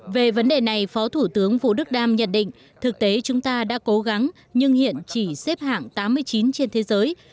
về vấn đề này phó thủ tướng vũ đức đam nhận định thực tế chúng ta đã cố gắng nhưng hiện chỉ xếp hạng tám mươi chín trên thế giới